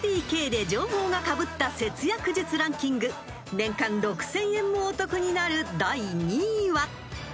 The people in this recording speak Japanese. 年間６，０００円もお得になる第２位は？］